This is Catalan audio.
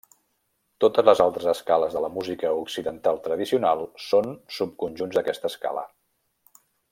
Totes les altres escales de la música occidental tradicional són subconjunts d'aquesta escala.